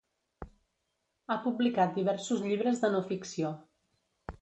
Ha publicat diversos llibres de no ficció.